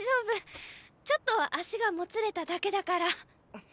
ちょっと足がもつれただけだから。